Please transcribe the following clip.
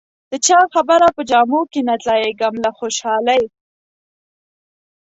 د چا خبره په جامو کې نه ځایېږم له خوشالۍ.